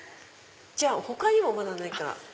じゃあ他にもまだ何か？